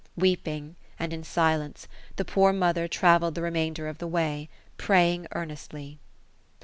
Weeping, and in silence, the poor mother travelled the remain der of the way, — praying earnestly.